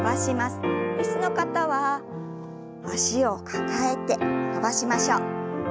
椅子の方は脚を抱えて伸ばしましょう。